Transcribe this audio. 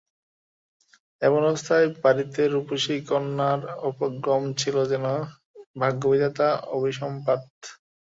এমন অবস্থায় বাড়িতে রূপসী কন্যার অভ্যাগম ছিল যেন ভাগ্যবিধাতার অভিসম্পাত।